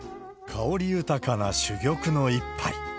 香り豊かな珠玉の一杯。